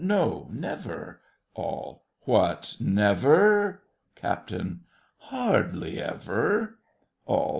No, never! ALL. What, never? CAPT. Hardly ever! ALL.